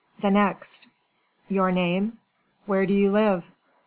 The next." "Your name?" "Where do you live?"